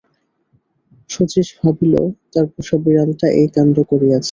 শচীশ ভাবিল তার পোষা বিড়ালটা এই কাণ্ড করিয়াছে।